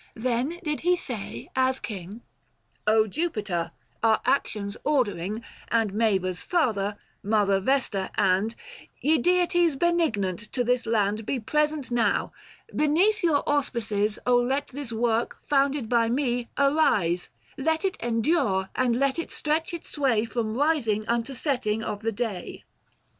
Then did he say, as king, —" Jupiter, our actions ordering, And Mayors father, Mother Vesta, and Ye Deities benignant to this land, 960 Be present now; beneath your auspices let this work, founded by me, arise, — Let it endure, and let it stretch its sway From rising unto setting of the day."